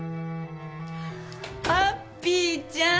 ハッピーちゃん！